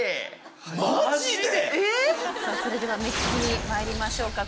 ⁉それでは目利きにまいりましょうか。